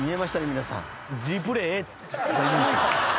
皆さん。